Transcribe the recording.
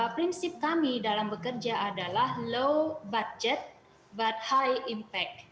prinsip kami dalam bekerja adalah low budget but high impact